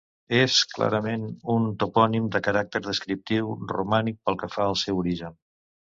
És, clarament, un topònim de caràcter descriptiu, romànic pel que fa al seu origen.